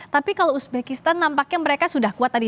tapi kalau uzbekistan nampaknya mereka sudah kuat tadi